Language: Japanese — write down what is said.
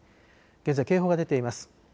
現在、警報が出ています。